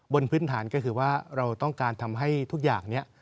บนพื้นฐานก็คือว่าเราต้องการทำให้ทุกอย่างนี้